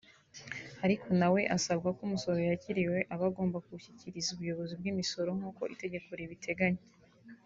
Ariko na we asabwa ko umusoro yakiriye aba agomba kuwushyikiriza ubuyobozi bw’imisoro nk’uko itegeko ribiteganya